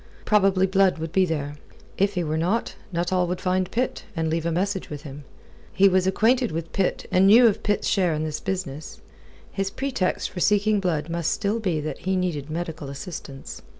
Probably Blood would be there. If he were not, Nuttall would find Pitt, and leave a message with him. He was acquainted with Pitt and knew of Pitt's share in this business. His pretext for seeking Blood must still be that he needed medical assistance.